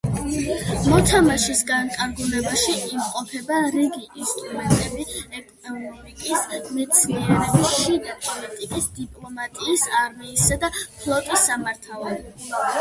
მოთამაშის განკარგულებაში იმყოფება რიგი ინსტრუმენტები ეკონომიკის, მეცნიერების, შიდა პოლიტიკის, დიპლომატიის, არმიისა და ფლოტის სამართავად.